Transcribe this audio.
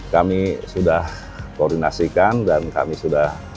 kami sudah koordinasikan dan kami sudah